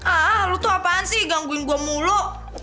ah lo tuh apaan sih gangguin gua mulu